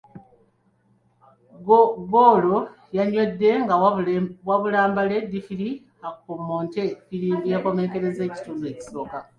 Ggoolo yanywedde nga wabula mbale ddiifiri akommonte ffirimbi ekomekkereza ekitundu ekisooka.